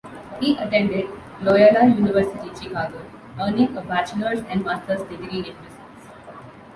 He attended Loyola University Chicago, earning a bachelor's and master's degree in business.